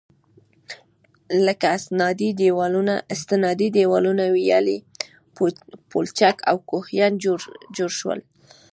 لكه: استنادي دېوالونه، ويالې، پولچك او كوهيان جوړ شول.